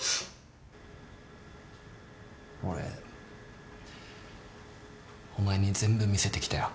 俺お前に全部見せてきたよ。